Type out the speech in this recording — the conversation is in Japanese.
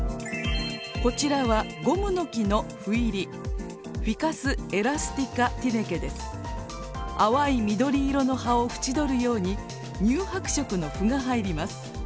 こちらはゴムノキの斑入り淡い緑色の葉を縁取るように乳白色の斑が入ります。